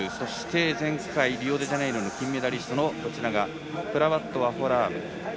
前回リオデジャネイロの金メダリストのプラワット・ワホラーム。